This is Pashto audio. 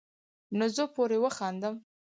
نو زۀ پورې وخاندم ـ